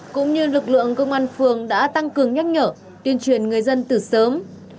cũng như lực lượng công an phường đã tăng cường nhắc nhở tuyên truyền người dân từ sớm